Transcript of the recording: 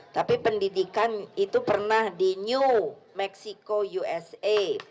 tapi pendidikan itu pernah di new mexico usa